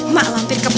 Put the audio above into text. mak lampir kemana